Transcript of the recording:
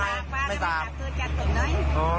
แต่ขี้ไปจำไปไม่รู้จะร่านกัน